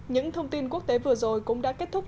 những thông tin quốc tế vừa rồi cũng đã kết thúc